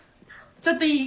ちょっといい？